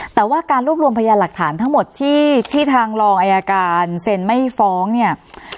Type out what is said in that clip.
แต่ว่าการรวบรวมพยานหลักฐานทั้งหมดที่ทางรองอายการเซ็นไม่ฟ้องเนี่ย